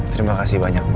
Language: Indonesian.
terima kasih banyak bu